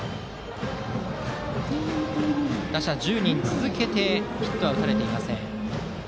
打者１０人続けてヒットは打たれていません。